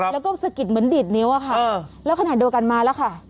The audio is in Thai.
แล้วก็สะกิดเหมือนดิดนิ้วแล้วขนาดดูกันมาแล้วค่ะ